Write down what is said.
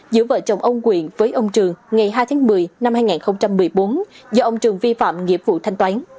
giữa vợ chồng ông quyện với ông trường ngày hai tháng một mươi năm hai nghìn một mươi bốn do ông trường vi phạm nghiệp vụ thanh toán